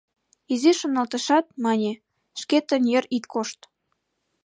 — Изиш шоналтышат, мане: «Шкетын йыр ит кошт.